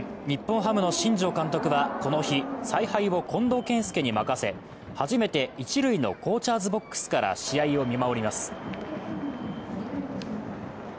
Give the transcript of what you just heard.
日本ハムの新庄監督はこの日、采配を近藤健介に任せ初めて一塁のコーチャーズボックスから試合を見守ります。